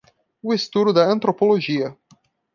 O estudo da Antropologia.